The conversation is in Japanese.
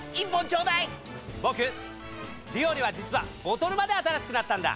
ボクビオレは実はボトルまで新しくなったんだ！